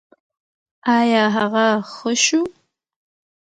ایا هغه ښه شو؟